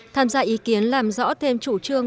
tham gia ý kiến làm rõ thêm chủ trương